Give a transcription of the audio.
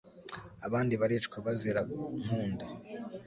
abandi baricwa bazira Nkunda